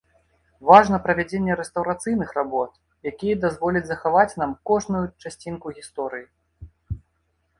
Важна правядзенне рэстаўрацыйных работ, якія дазволяць захаваць нам кожную часцінку гісторыі.